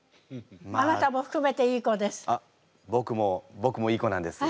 あなたもふくめていい子です。